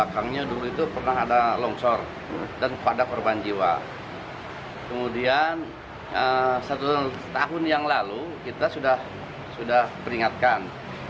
kepada perban jiwa kemudian setahun yang lalu kita sudah peringatkan